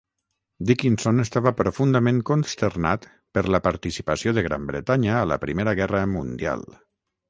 Dickinson estava profundament consternat per la participació de Gran Bretanya a la Primera Guerra Mundial.